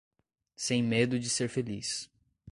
Sem medo de ser feliz